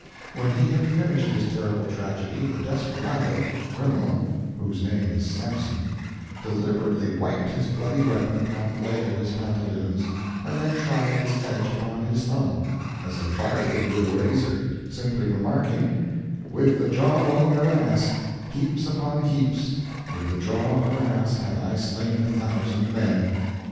When he had finished his terrible tragedy, the desperado, criminal (whose name is Samson), deliberately wiped his bloody weapon upon the leg of his pantaloons, and then tried its edge upon his thumb, as a barber would a razor, simply remarking, "With the jaw bone of an ass, heaps upon heaps, with the jaw of an ass have I slain a thousand men."